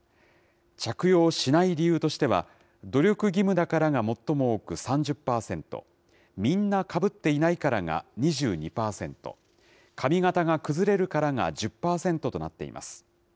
着用しない理由としては、努力義務だからが最も多く３０％、みんなかぶっていないからが２２％、髪形が崩れるからが１０％となっています。